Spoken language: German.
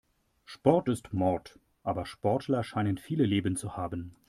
Sport ist Mord, aber Sportler scheinen viele Leben zu haben.